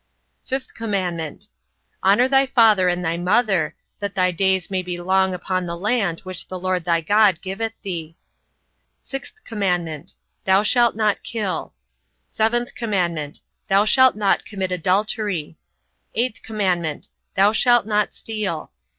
5th commandment: Honour thy father and thy mother: that thy days may be long upon the land which the LORD thy God giveth thee. 6th commandment: Thou shalt not kill. 7th commandment: Thou shalt not commit adultery. 8th commandment: Thou shalt not steal.